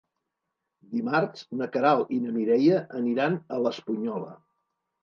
Dimarts na Queralt i na Mireia aniran a l'Espunyola.